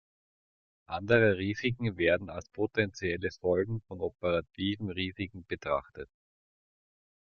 Andere Risiken werden als potenzielle Folgen von operativen Risiken betrachtet.